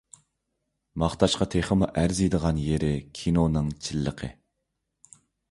ماختاشقا تېخىمۇ ئەرزىيدىغان يېرى، كىنونىڭ چىنلىقى.